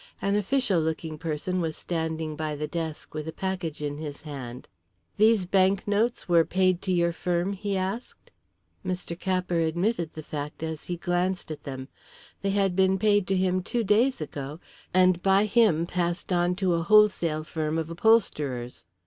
An official looking person was standing by the desk with a package in his hand. "These banknotes were paid to your firm?" he asked. Mr. Capper admitted the fact as he glanced at them. They had been paid to him two days ago and by him passed on to a wholesale firm of upholsterers.